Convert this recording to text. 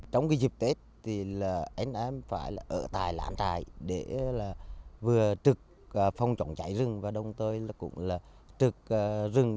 trong dịp tết anh em phải ở tài làn tài để vừa trực phong trọng chạy rừng và đông tới là trực rừng